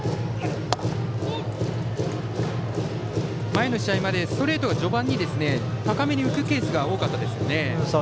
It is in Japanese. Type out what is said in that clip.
前の試合までストレートが序盤に高めに浮くケースが多かったですよね。